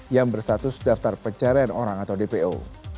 yang berstatus daftar pencarian orang atau dpo